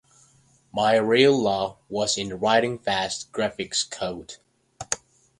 My real love was in writing fast graphics code.